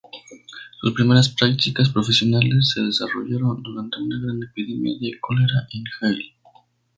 Sus primeras prácticas profesionales se desarrollaron durante una gran epidemia de cólera en Halle.